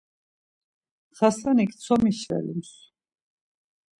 Xasanik tsomi şvelums.